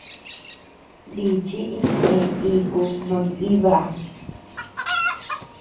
Nichi iñsé iku no nʼiba.